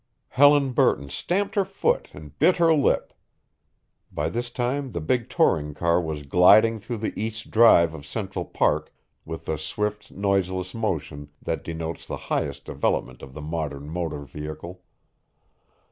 Helen Burton stamped her foot and bit her lip. By this time the big touring car was gliding through the East Drive of Central Park with the swift, noiseless motion that denotes the highest development of the modern motor vehicle.